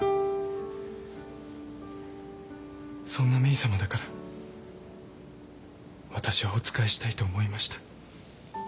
そんなメイさまだからわたしはお仕えしたいと思いました。